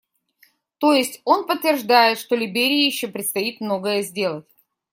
То есть, он подтверждает, что Либерии еще предстоит многое сделать.